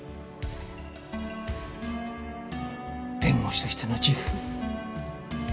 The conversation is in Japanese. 弁護士としての自負。